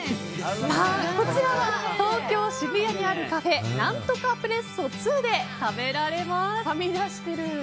こちらは東京・渋谷にあるカフェなんとかプレッソ２ではみ出してる！